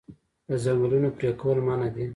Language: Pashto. د ځنګلونو پرې کول منع دي.